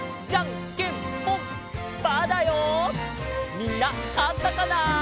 みんなかったかな？